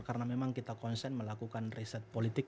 karena memang kita konsen melakukan riset politik